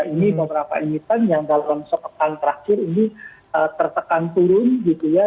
ini beberapa emiten yang dalam sepekan terakhir ini tertekan turun gitu ya